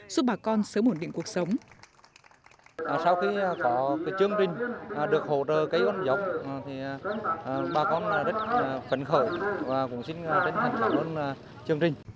giúp bà con sớm ổn định cuộc sống